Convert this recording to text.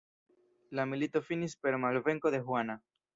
La milito finis per malvenko de Juana.